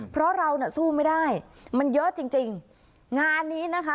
เพราะเราน่ะสู้ไม่ได้มันเยอะจริงจริงงานนี้นะคะ